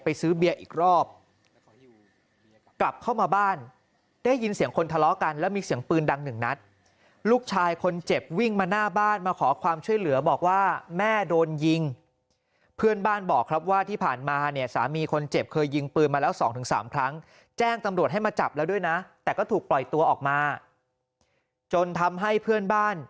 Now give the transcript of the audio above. ซื้อเบียร์อีกรอบกลับเข้ามาบ้านได้ยินเสียงคนทะเลาะกันแล้วมีเสียงปืนดังหนึ่งนัดลูกชายคนเจ็บวิ่งมาหน้าบ้านมาขอความช่วยเหลือบอกว่าแม่โดนยิงเพื่อนบ้านบอกครับว่าที่ผ่านมาเนี่ยสามีคนเจ็บเคยยิงปืนมาแล้วสองถึงสามครั้งแจ้งตำรวจให้มาจับแล้วด้วยนะแต่ก็ถูกปล่อยตัวออกมาจนทำให้เพื่อนบ้าน